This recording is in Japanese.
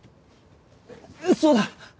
そうだ。